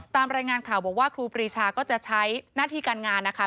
ตามรายงานข่าวบอกว่าครูปรีชาก็จะใช้หน้าที่การงานนะคะ